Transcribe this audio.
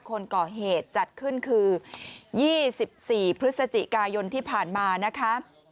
คนก่อเหตุจัดขึ้นคือ๒๔พฤศจิกายนที่ผ่านมานะคะ